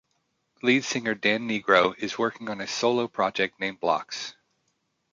Lead singer Dan Nigro is working on a solo project, named Blocks.